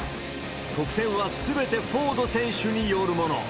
得点はすべてフォード選手によるもの。